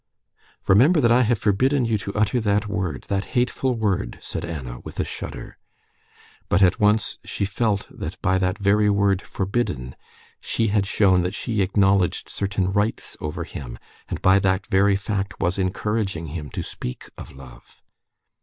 "Remember that I have forbidden you to utter that word, that hateful word," said Anna, with a shudder. But at once she felt that by that very word "forbidden" she had shown that she acknowledged certain rights over him, and by that very fact was encouraging him to speak of love.